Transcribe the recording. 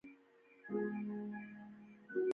چې لږ به څوک په کټ کې ستون شو.